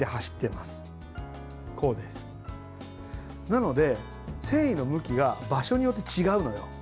なので、繊維の向きが場所によって違うのよ。